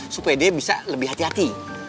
supaya dia bisa lebih hati hati